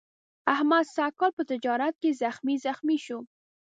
احمد سږ کال په تجارت کې زخمي زخمي شو.